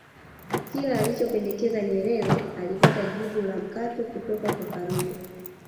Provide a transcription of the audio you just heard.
Kila alichopendekeza Nyerere alipata jibu la mkato kutoka kwa Karume